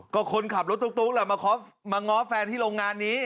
ก็คนขับรถตุ๊กแหละมาง้อแฟนที่โรงงานนี้